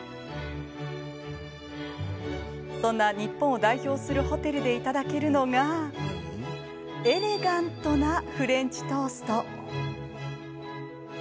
そんな日本を代表するホテルでいただけるのがエレガントなフレンチトースト。